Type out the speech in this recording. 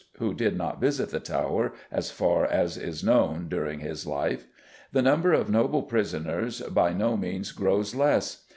who did not visit the Tower, as far as is known, during his life the number of noble prisoners by no means grows less.